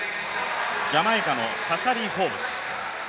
ジャマイカのサシャリー・フォーブス。